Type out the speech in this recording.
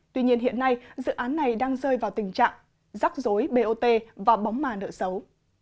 tuy nhiên hiện nay dự án này đang rơi vào tình trạng rắc rối bot và bóng mà nợ xấu